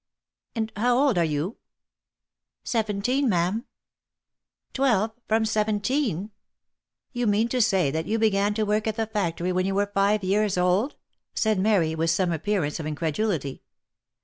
" And how old are you ?"" Seventeen, ma'am." " Twelve from seventeen ?— You mean to say that you began to work at the factory when you were five years old?" said Mary, with some appearance of incredulity.